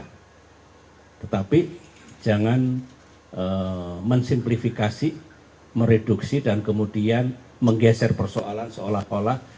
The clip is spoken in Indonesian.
hai tetapi jangan mensimplifikasi mereduksi dan kemudian menggeser persoalan seolah olah